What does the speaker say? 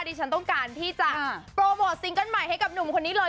ดิฉันต้องการที่จะโปรโมทซิงเกิ้ลใหม่ให้กับหนุ่มคนนี้เลย